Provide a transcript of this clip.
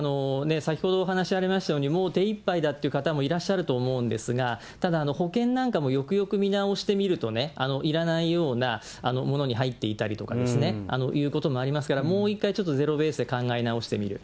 先ほどお話ありましたように、もう手いっぱいだという方もいらっしゃると思うんですが、ただ保険なんかもよくよく見直してみるとね、いらないようなものに入っていたりとかということもありますから、もう一回ちょっとゼロベースで考え直してみる。